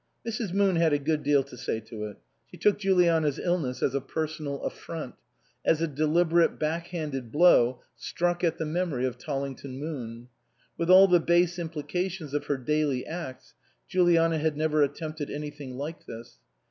Mrs. Moon had a good deal to say to it. She took Juliana's illness as a personal affront, as a deliberate back handed blow struck at the memory of Tollington Moon. With all the base implications of her daily acts, Juliana had never attempted anything like this.